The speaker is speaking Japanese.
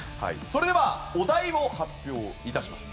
それではお題を発表致します。